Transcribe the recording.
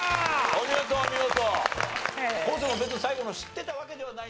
お見事お見事。